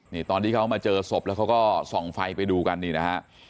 นี่ตอนที่เขามาเจอศพแล้วเขาก็ส่องไฟไปดูกันนี่นะฮะ